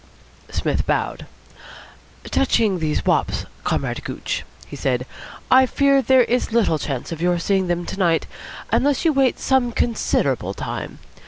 Psmith bowed. "Touching these wops, Comrade Gooch," he said, "I fear there is little chance of your seeing them to night, unless you wait some considerable time.